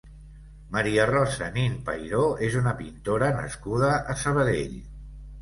Maria Rosa Nin Pairó és una pintora nascuda a Sabadell.